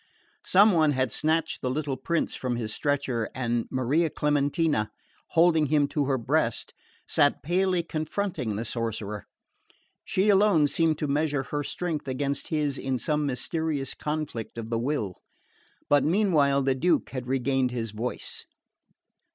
Some one had snatched the little prince from his stretcher, and Maria Clementina, holding him to her breast, sat palely confronting the sorcerer. She alone seemed to measure her strength against his in some mysterious conflict of the will. But meanwhile the Duke had regained his voice.